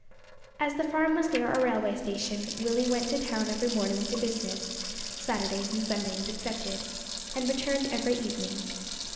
As the farm was near a railway station, Willie went to town every morning to business Saturdays and Sundays excepted and returned every evening.